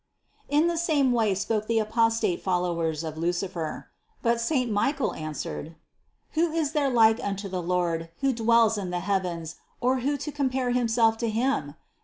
In the same way spoke the apostate followers of Lucifer. But St. Michael answered: "Who 106 CITY OF GOD is there like unto the Lord, who dwells in the heavens, or who to compare himself to Him?